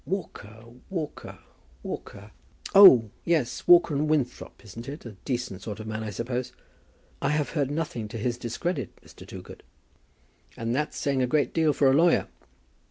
"Walker, Walker, Walker? oh, yes; Walker and Winthrop, isn't it? A decent sort of man, I suppose?" "I have heard nothing to his discredit, Mr. Toogood." "And that's saying a great deal for a lawyer.